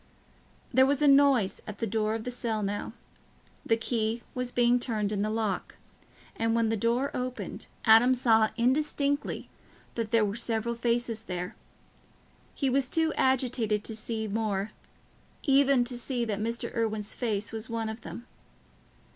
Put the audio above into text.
There was a noise at the door of the cell now—the key was being turned in the lock, and when the door opened, Adam saw indistinctly that there were several faces there. He was too agitated to see more—even to see that Mr. Irwine's face was one of them.